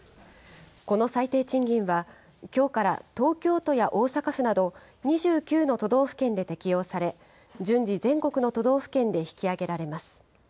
この最低賃金は、きょうから東京都や大阪府など、２９の都道府県で適用され、順次、全国の都道府県で引き上げられます。